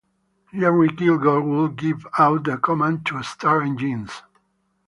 Jerry Kilgore would give out the command to start engines.